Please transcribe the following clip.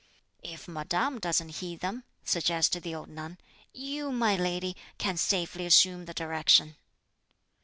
"If madame doesn't heed them," suggested the old nun, "you, my lady, can safely assume the direction."